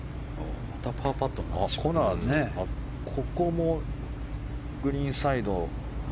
コナーズここもグリーンサイド。